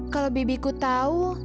kalau bibiku tahu